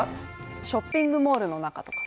ショッピングモールの中とか？